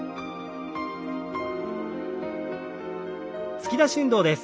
突き出し運動です。